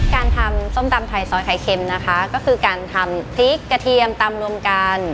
การทำส้มตำไทยซอยไข่เค็มนะคะก็คือการทำพริกกระเทียมตำรวมกัน